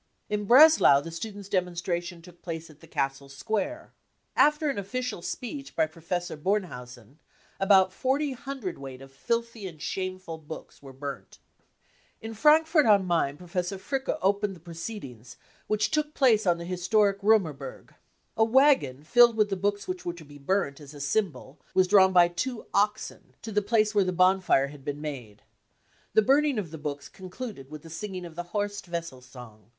" In Breslau the students 3 demonstration took place at the castle square. After the ^official speech by Professor Bornhausen about forty hundredweight of filthy and shameful books were burnt. " In F rankfur t am Main Professor Fricke 9 opened the proceedings, which took place on the historic Romer burg. A wagon filled with the books which were to be burnt as a symbol was drawn by two oxen to the place where the bonfire had been made. The burning of the books concluded with the singing of the Horst Wessel song."